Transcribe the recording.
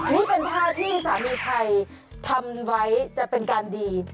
นี่เป็นภาพที่สามีไทยทำไว้จะเป็นการดี